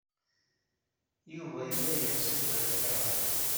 Yuba yella yeɣs ugar n telɣa.